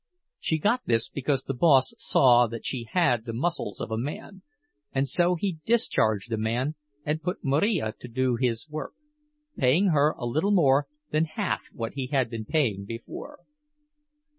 She got this because the boss saw that she had the muscles of a man, and so he discharged a man and put Marija to do his work, paying her a little more than half what he had been paying before.